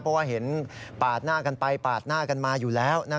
เพราะว่าเห็นปาดหน้ากันไปปาดหน้ากันมาอยู่แล้ว